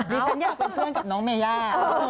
ฉันอยากเป็นเพื่อนกับน้องเมย่า